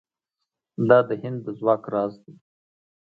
دا د هند د ځواک راز دی.